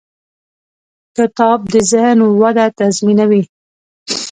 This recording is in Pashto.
کتاب د ذهن وده تضمینوي.